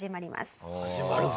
始まるぞ！